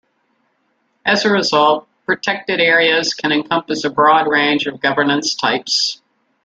As a result, Protected Areas can encompass a broad range of governance types.